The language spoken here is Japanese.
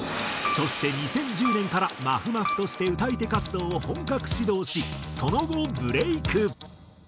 そして２０１０年からまふまふとして歌い手活動を本格始動しその後ブレーク。